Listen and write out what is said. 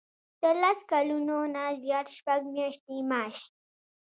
د لس کلونو نه زیات شپږ میاشتې معاش.